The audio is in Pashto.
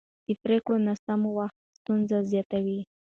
د پرېکړو ناسم وخت ستونزې زیاتوي